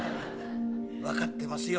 わかってますよ。